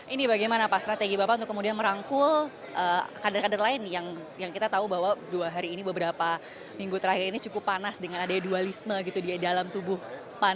ini bagaimana pak strategi bapak untuk kemudian merangkul kader kader lain yang kita tahu bahwa dua hari ini beberapa minggu terakhir ini cukup panas dengan ada dualisme gitu di dalam tubuh pan